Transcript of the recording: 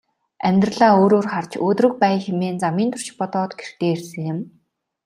Амьдралаа өөрөөр харж өөдрөг байя хэмээн замын турш бодоод гэртээ ирсэн юм.